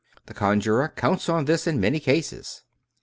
... The con jurer counts on this in many cases.